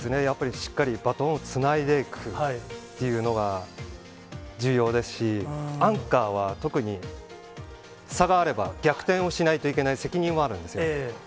やっぱりしっかりバトンをつないでいくというのが重要ですし、アンカーは特に差があれば逆転をしないといけない責任はあるんです。